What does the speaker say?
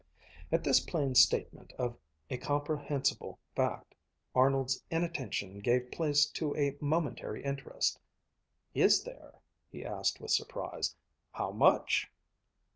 At this plain statement of a comprehensible fact, Arnold's inattention gave place to a momentary interest. "Is there?" he asked with surprise. "How much?"